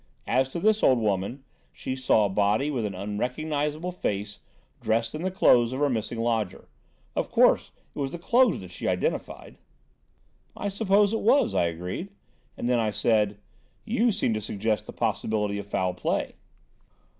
As to this old woman, she saw a body with an unrecognisable face, dressed in the clothes of her missing lodger. Of course, it was the clothes that she identified." "I suppose it was," I agreed; and then I said: "You seem to suggest the possibility of foul play."